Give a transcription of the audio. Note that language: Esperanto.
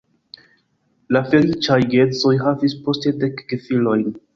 La feliĉaj geedzoj havis poste dek gefilojn.